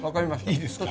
いいですか。